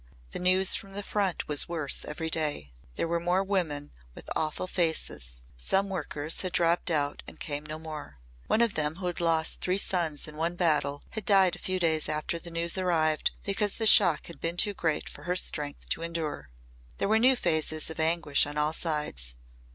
The news from the Front was worse every day; there were more women with awful faces; some workers had dropped out and came no more. One of them who had lost three sons in one battle had died a few days after the news arrived because the shock had been too great for her strength to endure. There were new phases of anguish on all sides.